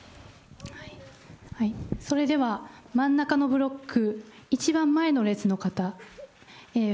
それでは、真ん中のブロック、一番前の列の方。